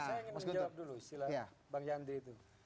saya ingin menjawab dulu istilah bang yandri itu